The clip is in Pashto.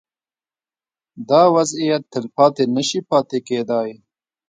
دا وضعیت تلپاتې نه شي پاتې کېدای.